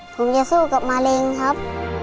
ผมจะสู้กับมะเร็งครับ